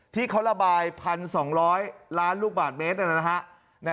ที่เขาระบาย๑๒๐๐ล้านลูกบาทเมตรนะฮะ